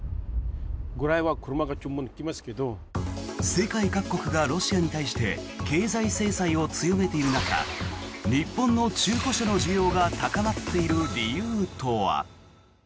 世界各国がロシアに対して経済制裁を強めている中日本の中古車の需要が高まっている理由とは。